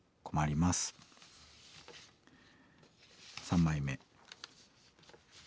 ３枚目。